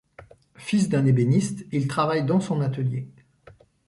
Fils d'un ébéniste, il travaille dans son atelier.